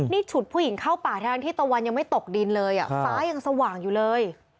นี่ฉุดผู้หญิงเข้าป่าทั้งที่ตะวันยังไม่ตกดินเลยฟ้ายังสว่างอยู่เลย